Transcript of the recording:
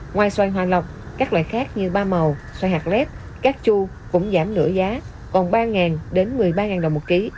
ngoài xoay hòa lọc các loại khác như ba màu xoay hạt lét cát chu cũng giảm nửa giá còn ba ngàn đến một mươi ba ngàn đồng một ký